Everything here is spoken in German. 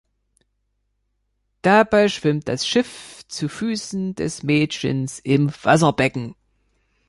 Dabei schwimmt das Schiff zu Füßen des Mädchens im Wasserbecken.